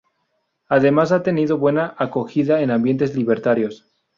Además ha tenido buena acogida en ambientes libertarios.